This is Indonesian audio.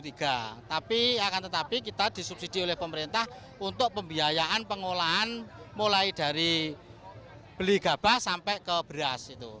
tapi akan tetapi kita disubsidi oleh pemerintah untuk pembiayaan pengolahan mulai dari beli gabah sampai ke beras